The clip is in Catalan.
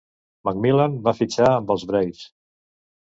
McMillen va fitxar amb els Braves.